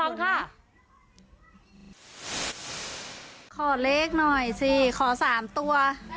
แปลงไทยตอนนี้ขอ๓ตัว